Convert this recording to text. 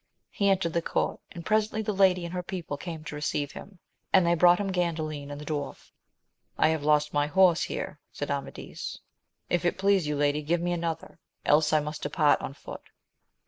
He entered the court, and presently the lady and her people came to receive him, and they brought him Gandalin and the d waif. I have lost my horse \i.eie> mdi kcc^s^ft^ \M >& 138 AMADIS OF GAUL please you, lady, give me another, else I must depart on foot.